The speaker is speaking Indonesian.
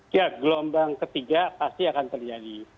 ya gelombang ketiga pasti akan terjadi